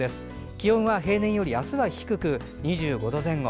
気温は平年より明日は低く２５度前後。